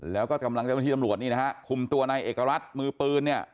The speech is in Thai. แล้วก็กำลังเจ้าหน้าที่ตำรวจนี่นะฮะคุมตัวในเอกรัฐมือปืนเนี่ย